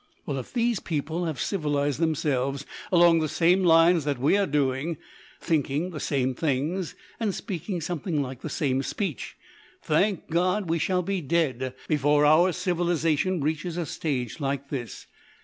"Well, if these people have civilised themselves along the same lines that we are doing, thinking the same things and speaking something like the same speech, thank God we shall be dead before our civilisation reaches a stage like this.